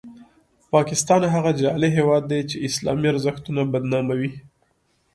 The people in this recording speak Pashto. پاکستان هغه جعلي هیواد دی چې اسلامي ارزښتونه بدناموي.